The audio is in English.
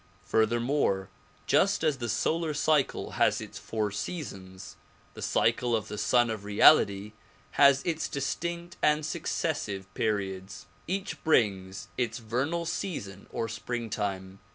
Furthermore, just as the solar cycle has its four seasons the cycle of the Sun of Reality has its distinct and successive periods. Each brings its vernal season or springtime.